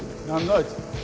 あいつ。